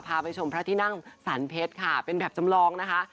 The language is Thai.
ไปชมพระที่นั่งสรรเพชรค่ะเป็นแบบจำลองนะคะ